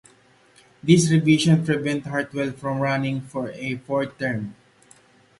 These revisions prevent Heartwell from running for a fourth term.